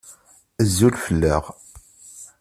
Azul fell-aɣ.